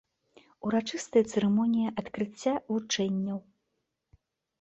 Урачыстая цырымонія адкрыцця вучэнняў.